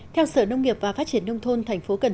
theo sở nông nghiệp và phát triển nông thôn tp cn